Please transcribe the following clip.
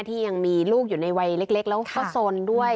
ที่ยังมีลูกอยู่ในวัยเล็กแล้วก็สนด้วย